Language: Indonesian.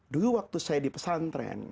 dulu waktu saya di pesantren